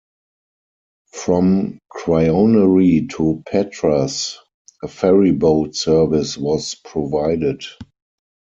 From Kryoneri to Patras, a ferryboat service was provided.